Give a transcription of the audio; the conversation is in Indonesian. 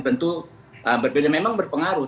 tentu berbeda memang berpengaruh